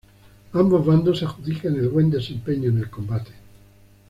Ambos bandos se adjudican el buen desempeño en el combate.